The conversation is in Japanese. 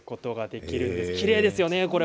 きれいですよね。